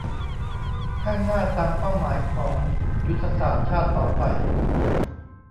ข้างหน้าตามเป้าหมายของยุทธศาสตร์ชาติต่อไป